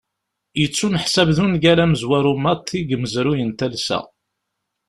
Yettuneḥsab d ungal amezwaru maḍi deg umezruy n talsa.